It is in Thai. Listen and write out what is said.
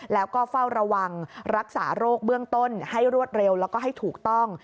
แล้วก็เฝ้าระวังรักษาโรคเบื้องต้นให้รวดเร็วแล้วก็ให้ถูกต้อง